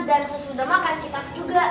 dan sesudah makan kita makan